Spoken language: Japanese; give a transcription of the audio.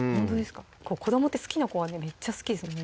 子どもって好きな子はめっちゃ好きですよね